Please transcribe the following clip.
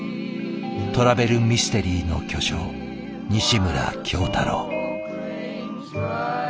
トラベルミステリーの巨匠西村京太郎。